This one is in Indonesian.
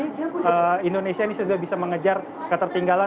karena indonesia ini sudah bisa mengejar ketertinggalan